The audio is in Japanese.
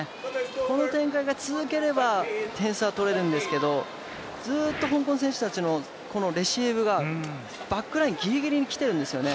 この展開が続ければ、点差取れるんですけどずっと香港選手たちのレシーブがバックラインぎりぎりに来てるんですよね。